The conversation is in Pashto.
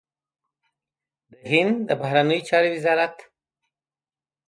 د هند د بهرنيو چارو وزارت